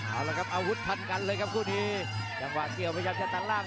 เอาละครับอาวุธพันกันเลยครับคู่นี้จังหวะเกี่ยวพยายามจะตัดล่าง